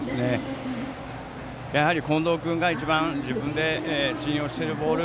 やはり近藤君が一番自分で信用しているボール